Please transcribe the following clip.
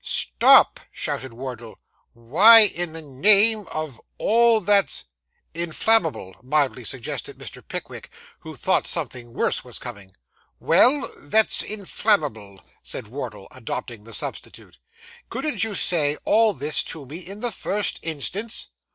'Stop!' shouted Wardle. 'Why, in the name of all that's ' 'Inflammable,' mildly suggested Mr. Pickwick, who thought something worse was coming. 'Well that's inflammable,' said Wardle, adopting the substitute; 'couldn't you say all this to me in the first instance?